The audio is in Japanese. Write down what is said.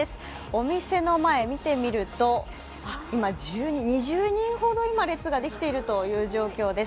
お店の前、見てみると今２０人ほど列ができているという状況です。